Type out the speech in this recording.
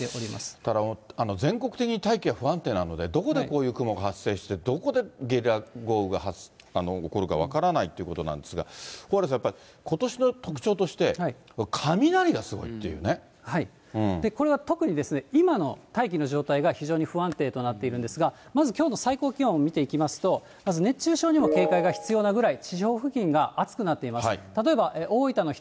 だからもう、全国的に大気が不安定なので、どこでこういう雲が発生して、どこでゲリラ豪雨が起こるか分からないということなんですが、蓬莱さん、やっぱりことしの特徴として、これは特に、今の大気の状態が非常に不安定となっているんですが、まずきょうの最高気温見ていきますと、まず熱中症にも警戒が必要なくらい、地表付近が暑くなっています。